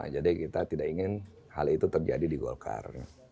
jadi kita tidak ingin hal itu terjadi di golkar